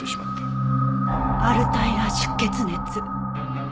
アルタイラ出血熱！？